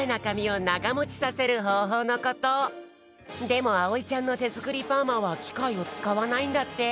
でもあおいちゃんのてづくりパーマはきかいをつかわないんだって。